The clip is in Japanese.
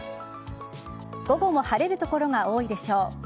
午後も晴れる所が多いでしょう。